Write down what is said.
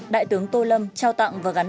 đại tướng tô lâm trao tặng và gắn